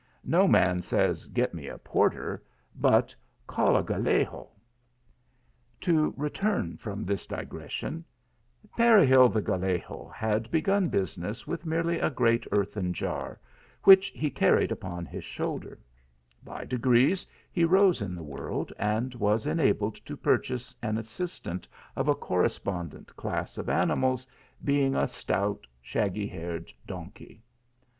No man says, "get me a porter," but, " call a Gallego." / To return from this digression, ) Peregil the Gal lego had begun business with merely a great earthen jar, which he carried upon his shoulder ; by degrees he rose in the world, and was enabled to purchase an assistant, of a correspondent class of animals, b^ing a stout shaggy haired donkey.